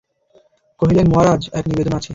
কহিলেন, মহারাজ, এক নিবেদন আছে।